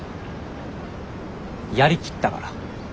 やりきったから。